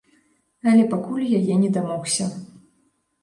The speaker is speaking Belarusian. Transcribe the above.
Але пакуль яе не дамогся.